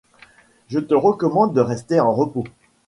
Je te recommande de rester en repos.